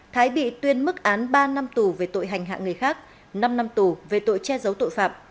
thái bị tuyên mức án ba năm tù về tội hành hạ người khác năm năm tù về tội che giấu tội phạm